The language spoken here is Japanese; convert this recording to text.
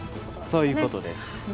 そういうことです。